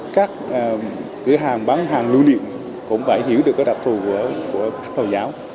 cửa hàng bán hàng lưu niệm cũng phải hiểu được cái đặc thù của khách hồi giáo